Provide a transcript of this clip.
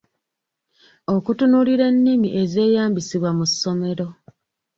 Okutunuulira ennimi ezeeyambisibwa mu ssomero